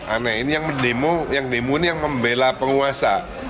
aneh ini yang demo ini yang membela penguasa